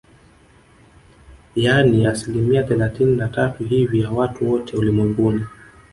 Yaani asilimia thelathini na tatu hivi ya watu wote ulimwenguni